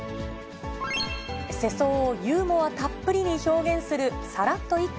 世相をユーモアたっぷりに表現する、サラっと一句！